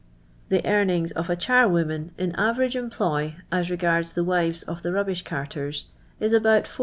The earnings of a char woman in average employ, as regards the wives of the rubbish carters, is about 4s.